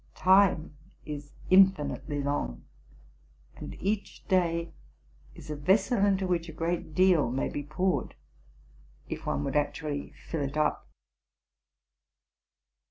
Time is infinitely long; and each day is a vessel into which a great deal may be poured, if one would actually fill it up.